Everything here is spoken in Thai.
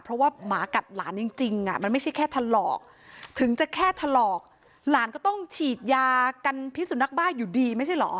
เพราะว่าหมากัดหลานจริงมันไม่ใช่แค่ถลอกถึงจะแค่ถลอกหลานก็ต้องฉีดยากันพิสุนักบ้าอยู่ดีไม่ใช่เหรอ